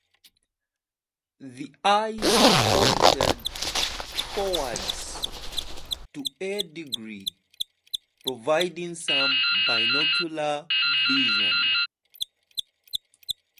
The eyes pointed forwards to a degree, providing some binocular vision.